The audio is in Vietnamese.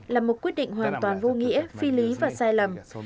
là một quyết định hoàn toàn vô nghĩa phi lý và sai lầm